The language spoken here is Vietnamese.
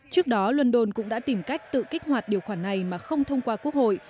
trước đó london cũng đã tìm cách tự kích hoạt điều khoản này mà không thông qua quốc hội